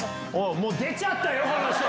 もう出ちゃったよ、この人。